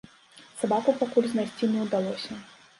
Сабаку пакуль знайсці не ўдалося.